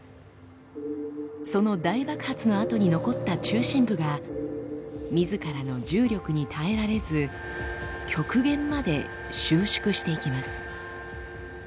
その大爆発のあとに残った中心部がみずからの重力に耐えられず極限まで収縮していきます。